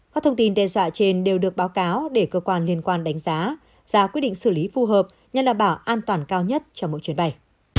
các thông tin đe dọa trên đều được báo cáo để cơ quan liên quan đánh giá ra quyết định xử lý phù hợp nhất là bảo an toàn cao nhất cho mỗi chuyến bay